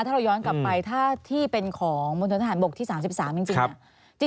ถ้าเราย้อนกลับไปถ้าที่เป็นของมณฑนทหารบกที่๓๓จริงเนี่ย